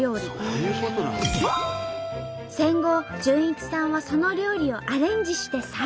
戦後潤一さんはその料理をアレンジして再現。